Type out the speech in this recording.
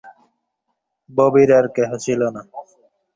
ভবির আর কেহ ছিল না।